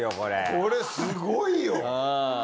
これすごいよ！